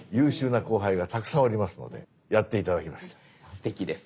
すてきです。